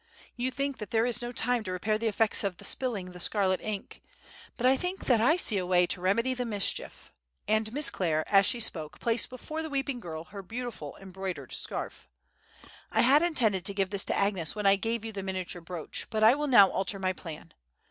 You think that there is no time to repair the effects of the spilling the scarlet ink; but I think that I see a way to remedy the mischief;" and Miss Clare, as she spoke, placed before the weeping girl her beautiful embroidered scarf. "I had intended to give this to Agnes when I gave you the miniature brooch, but I will now alter my plan.